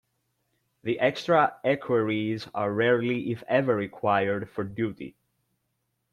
The extra equerries are rarely if ever required for duty.